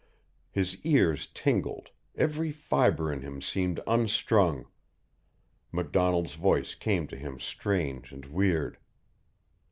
His ears tingled, every fiber in him seemed unstrung. MacDonald's voice came to him strange and weird.